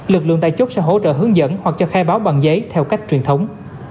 lực lượng tại chốt sẽ hỗ trợ hướng dẫn hoặc cho khai báo bằng giấy theo cách truyền thống